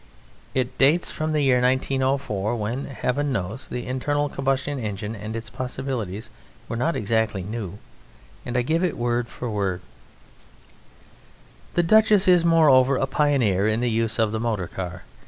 It dates from the year 1904, when, Heaven knows, the internal combustion engine and its possibilities were not exactly new, and I give it word for word: "The Duchess is, moreover, a pioneer in the use of the motor car.